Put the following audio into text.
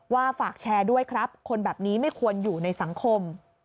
ฝากแชร์ด้วยครับคนแบบนี้ไม่ควรอยู่ในสังคม